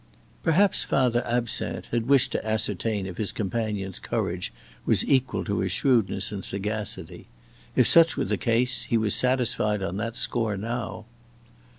Perhaps Father Absinthe had wished to ascertain if his companion's courage was equal to his shrewdness and sagacity. If such were the case he was satisfied on this score now.